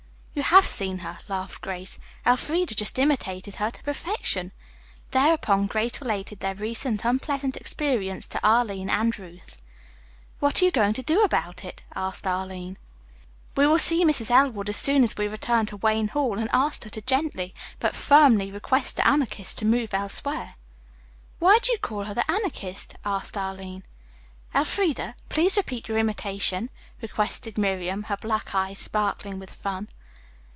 "You have seen her," laughed Grace. "Elfreda just imitated her to perfection." Thereupon Grace related their recent unpleasant experience to Arline and Ruth. "What are you going to do about it?" asked Arline. "We will see Mrs. Elwood as soon as we return to Wayne Hall, and ask her to gently, but firmly, request the Anarchist to move elsewhere." "Why do you call her the Anarchist?" asked Arline. "Elfreda, please repeat your imitation," requested Miriam, her black eyes sparkling with fun.